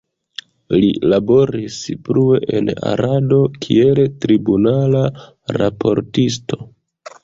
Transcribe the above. Li laboris plue en Arado kiel tribunala raportisto.